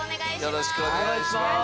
よろしくお願いします。